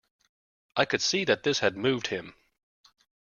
I could see that this had moved him.